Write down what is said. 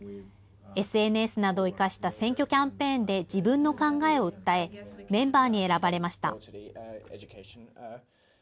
ＳＮＳなどを生かした選挙キャンペーンで自分の考えを訴え、メンバーに選ばれました。